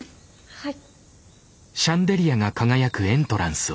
はい。